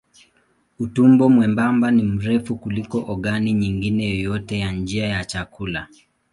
Utumbo mwembamba ni mrefu kuliko ogani nyingine yoyote ya njia ya chakula.